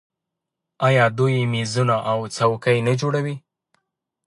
آیا دوی میزونه او څوکۍ نه جوړوي؟